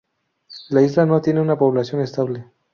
La isla no tiene una población estable.